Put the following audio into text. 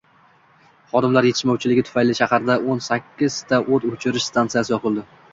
Xodimlar yetishmovchiligi tufayli shahardagio´n sakkizta o‘t o‘chirish stansiyasi yopildi